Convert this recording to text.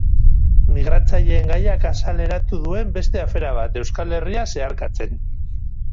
Migratzaileen gaiak azaleratu duen beste afera bat, Euskal Herria zeharkatzen.